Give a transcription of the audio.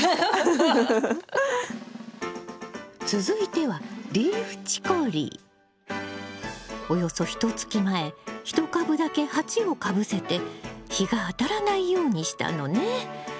続いてはおよそひとつき前１株だけ鉢をかぶせて日が当たらないようにしたのね。